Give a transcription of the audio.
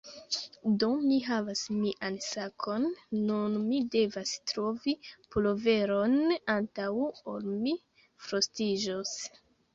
Do, mi havas mian sakon nun mi devas trovi puloveron antaŭ ol mi frostiĝos